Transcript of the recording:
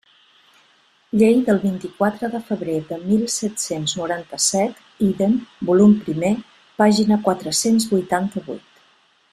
Llei del vint-i-quatre de febrer de mil set-cents noranta-set, ídem, volum primer, pàgina quatre-cents vuitanta-vuit.